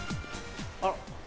あら。